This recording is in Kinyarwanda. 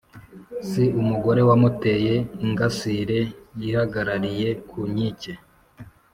Si umugore wamuteye ingasire yihagarariye ku nkike